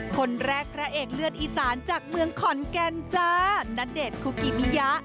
คนแรกพระเอกเลือดอีสานจากเมืองขอนแก่นจ้าณเดชน์คุกิมิยะ